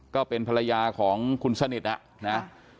ก็เป็นภรรยาของคุณสนิทนะ